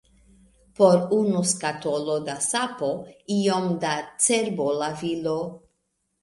Por unu skatolo da sapo, iom da cerbolavilo.